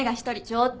ちょっと。